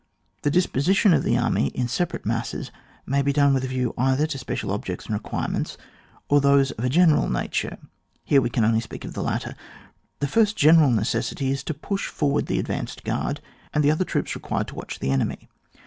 The disposition of the army in separate masses may' be done with a view either to special objects and requirements, or to those of a general nature ; here we can only speak of the latter. The first general necessity is to push forward the advanced guard and the other troops required to watch the enemy.